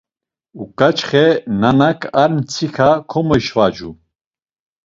Uǩaçxe, nanak ar mtsika komoişvacu.